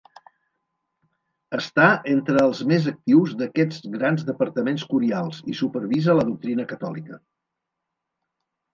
Està entre els més actius d'aquests grans departaments curials, i supervisa la doctrina catòlica.